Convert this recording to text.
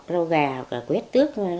rau gà quét tước